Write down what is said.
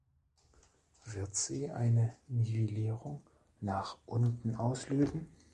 Wird sie eine Nivellierung nach unten auslösen?